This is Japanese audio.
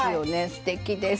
すてきです。